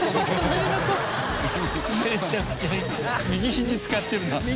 右ひじ使ってるな。